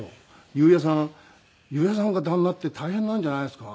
裕也さん裕也さんが旦那って大変なんじゃないですか？